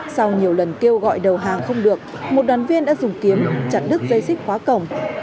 sau nhiều lần kêu gọi đầu hàng không được một đoàn viên đã dùng kiếm chặt đứt dây xích khóa cổng